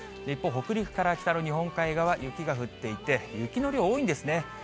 一方、北陸から北の日本海側、雪が降っていて、雪の量、多いんですね。